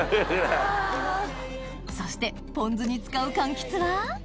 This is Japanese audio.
そしてポン酢に使うかんきつは？